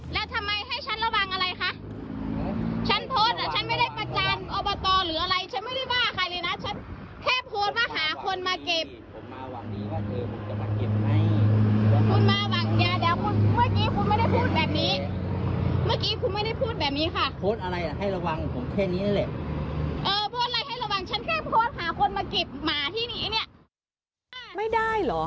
แล้วทำไมให้ฉันระวังอะไรคะ